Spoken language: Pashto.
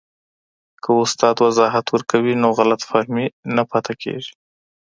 که استاد وضاحت ورکوي نو غلط فهمي نه پاته کېږي.